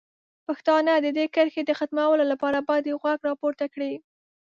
پښتانه د دې کرښې د ختمولو لپاره باید یو غږ راپورته کړي.